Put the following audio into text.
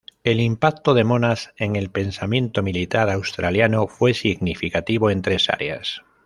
El impacto de Monash en el pensamiento militar australiano fue significativo en tres áreas.